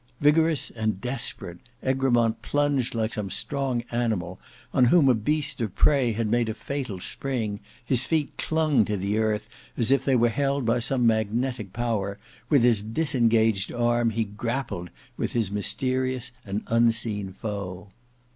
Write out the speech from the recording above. Vigorous and desperate, Egremont plunged like some strong animal on whom a beast of prey had made a fatal spring. His feet clung to the earth as if they were held by some magnetic power. With his disengaged arm he grappled with his mysterious and unseen foe.